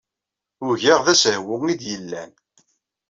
Ugaɣ d asehwu ay d-yellan.